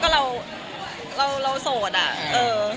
ก็เลยเอาข้าวเหนียวมะม่วงมาปากเทียน